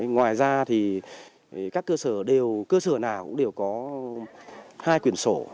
ngoài ra thì các cơ sở nào cũng đều có hai quyển sổ